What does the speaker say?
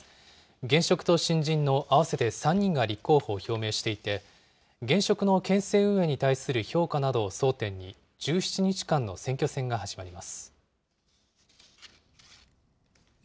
現職と新人の合わせて３人が立候補を表明していて、現職の県政運営に対する評価などを争点に、１７日間の選挙戦が始まります。